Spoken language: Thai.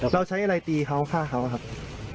เราใช้อะไรตีเขาฆ่าเขาครับ